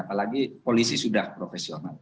apalagi polisi sudah profesional